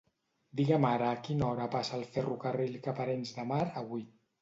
Digue'm ara a quina hora passa el ferrocarril cap a Arenys de Mar avui.